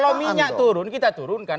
kalau minyak turun kita turunkan